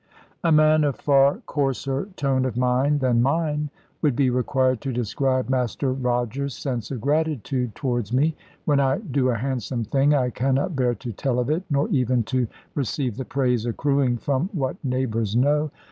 A man of far coarser tone of mind than mine would be required to describe Master Roger's sense of gratitude towards me. When I do a handsome thing, I cannot bear to tell of it, nor even to receive the praise accruing from what neighbours know.